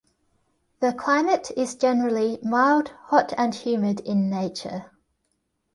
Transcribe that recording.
The climate is generally mild hot and humid in nature.